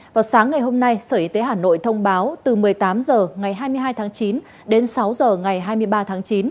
vào sáng ngày hôm nay sở y tế hà nội thông báo từ một mươi tám h ngày hai mươi hai tháng chín đến sáu h ngày hai mươi ba tháng chín